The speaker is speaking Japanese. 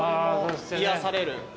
癒やされる。